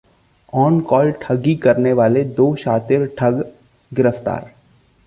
on call ठगी करने वाले दो शातिर ठग गिरफ्तार